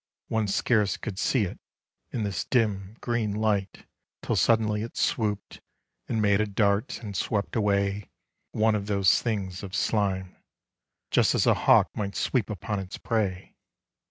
One scarce could see it in this dim green light Till suddenly it swooped and made a dart And swept away one of those things of slime, Just as a hawk might sweep upon its prey.